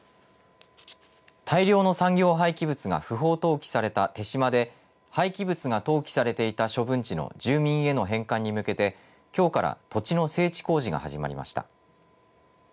大量の産業廃棄物が不法投棄された豊島で廃棄物が投棄されていた処分地の住民への返還に向けてきょうから土地の整地工事が始まりました。